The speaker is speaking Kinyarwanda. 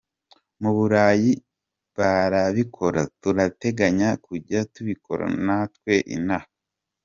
Mu burayi barabikora, turateganya kujya tubikora natwe inaha.